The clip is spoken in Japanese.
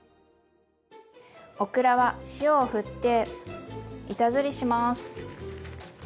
オクラは塩をふって板ずりします。